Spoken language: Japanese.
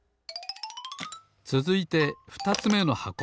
つづいてふたつめの箱。